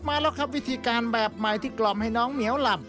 มาแล้วครับวิธีการแบบใหม่ที่กล่อมให้น้องเหมียวหลับ